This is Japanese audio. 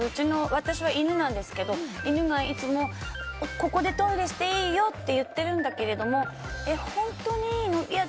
私は犬なんですけど犬がいつもここでトイレしていいよって言ってるんだけれども本当にいいの？